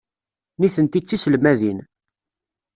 Nitenti d tiselmadin.